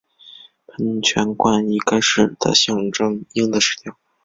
喷泉冠以该市的象征鹰的石雕。